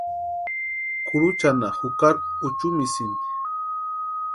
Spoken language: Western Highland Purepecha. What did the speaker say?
Kuruchanha jukari uchumisïnti.